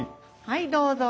はいどうぞ。